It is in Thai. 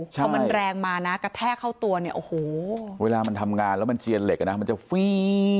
พอมันแรงมานะกระแทกเข้าตัวเนี่ยโอ้โหเวลามันทำงานแล้วมันเจียนเหล็กอ่ะนะมันจะฟี่